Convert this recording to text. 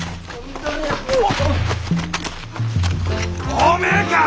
おめえか！